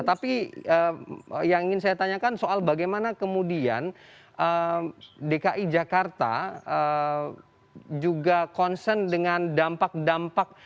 tapi yang ingin saya tanyakan soal bagaimana kemudian dki jakarta juga concern dengan dampak dampak